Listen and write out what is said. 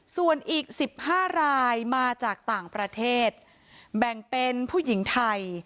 ส่วนอีก๑๕รายมาจากต่างประเทศแบ่งเป็นผู้หญิงไทย